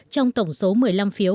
trong tổng số một mươi năm phiếu